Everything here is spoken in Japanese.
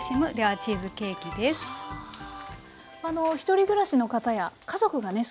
１人暮らしの方や家族がね